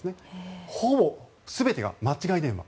ほぼ全てが間違い電話。